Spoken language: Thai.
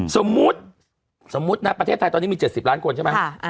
สมมุติสมมุตินะประเทศไทยตอนนี้มี๗๐ล้านคนใช่ไหม